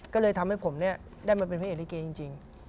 ก็เลยทำให้ผมเนี่ยได้มาเป็นพระเอกลิเกจริง